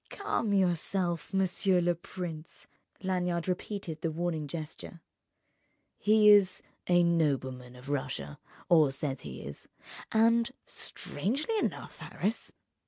"Calm yourself, monsieur le prince." Lanyard repeated the warning gesture. "He is a nobleman of Russia, or says he is, and—strangely enough, Harris!